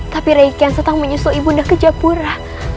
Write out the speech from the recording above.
tapi raikian santang menyusul ibu nda ke japura